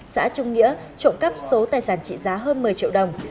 xã trung nghĩa trộm cắp số tài sản trị giá hơn một mươi triệu đồng